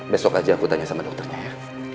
besok aja aku tanya sama dokternya ya